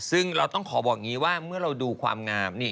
ซึ่งเราต้องขอบอกอย่างนี้ว่าเมื่อเราดูความงามนี่